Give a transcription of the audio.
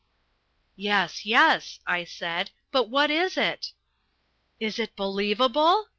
"Yes, yes," I said, "but what is it?" "Is it believable?"